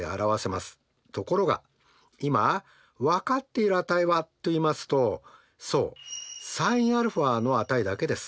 ところが今分かっている値はといいますとそうｓｉｎαの値だけです。